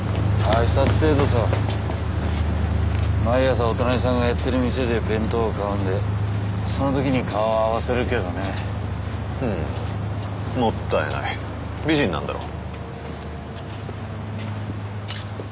挨拶程度さ毎朝お隣さんがやってる店で弁当を買うんでその時に顔を合わせるけどねふーんもったいない美人なんだろ？